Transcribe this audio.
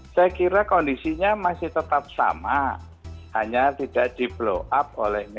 saya kira kondisinya masih tetap sama hanya tidak di blow up oleh media